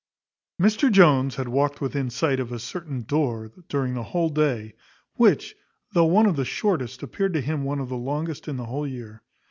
Mr Jones had walked within sight of a certain door during the whole day, which, though one of the shortest, appeared to him to be one of the longest in the whole year.